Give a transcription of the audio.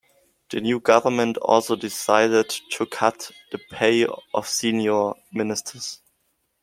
The new government also decided to cut the pay of senior ministers.